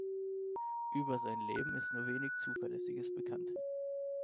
Über sein Leben ist nur wenig zuverlässiges bekannt.